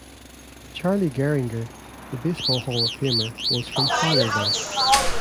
Charlie Gehringer, the baseball Hall of Famer, was from Fowlerville.